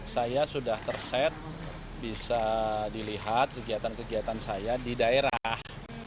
saya sudah terset bisa dilihat kegiatan kegiatan saya di daerah